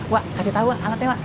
wah kasih tahu alatnya pak